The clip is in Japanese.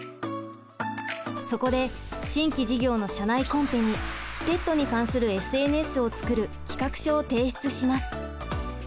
そこで新規事業の社内コンペにペットに関するＳＮＳを作る企画書を提出します。